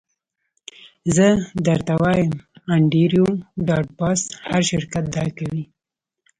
زه درته وایم انډریو ډاټ باس هر شرکت دا کوي